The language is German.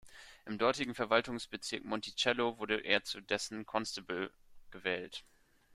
Im dortigen Verwaltungsbezirk Monticello wurde er zu dessen Constable gewählt.